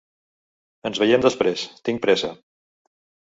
Ens veiem després. Tinc pressa.